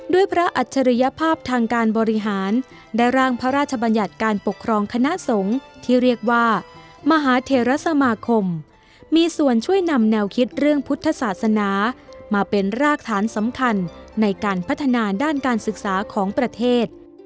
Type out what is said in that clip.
พระอัจฉริยภาพทางการบริหารได้ร่างพระราชบัญญัติการปกครองคณะสงฆ์ที่เรียกว่ามหาเทรสมาคมมีส่วนช่วยนำแนวคิดเรื่องพุทธศาสนามาเป็นรากฐานสำคัญในการพัฒนาด้านการศึกษาของประเทศ